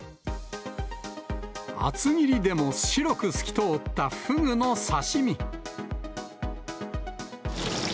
厚切りでも白く透き通ったフグの刺身。